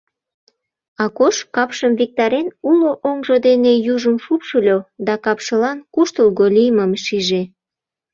Акош, капшым виктарен, уло оҥжо дене южым шупшыльо да капшылан куштылго лиймым шиже.